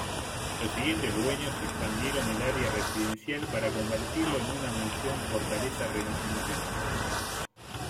Los siguientes dueños expandieron el área residencial para convertirlo en una mansión fortaleza renacentista.